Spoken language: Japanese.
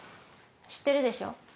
知ってるでしょ？